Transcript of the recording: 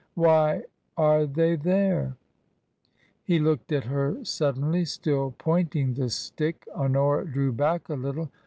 Why are they there ?" He looked at her suddenly, still pointing the stick. Honora drew back a little.